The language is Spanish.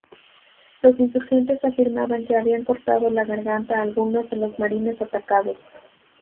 Los insurgentes afirmaban que habían cortado la garganta a algunos de los marines atacados.